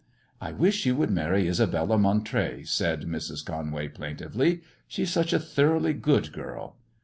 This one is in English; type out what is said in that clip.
" I wish you would marry Isabella Montray," said Mrs. Conway, plaintively ;" she is such a thoroughly good girl."